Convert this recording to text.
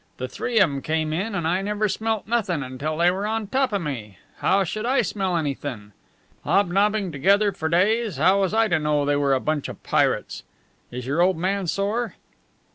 The three o' 'em came in, and I never smelt nothin' until they were on top o' me. How should I smell anythin'? Hobnobbing together for days, how was I to know they were a bunch of pirates? Is your old man sore?"